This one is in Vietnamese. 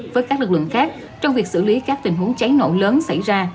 với các lực lượng khác trong việc xử lý các tình huống cháy nổ lớn xảy ra